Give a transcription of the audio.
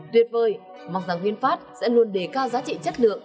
tuyệt vời mong rằng vinfast sẽ luôn đề cao giá trị chất lượng